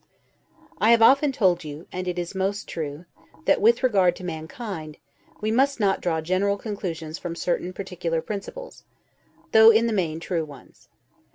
I have often told you (and it is most true) that, with regard to mankind, we must not draw general conclusions from certain particular principles, though, in the main, true ones.